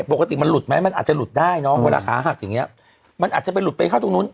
ปกติมันหลุดไหมมันอาจจะหลุดได้เนาะเวลาขาหักอย่างนี้มันอาจจะไปหลุดไปเข้าตรงนู้น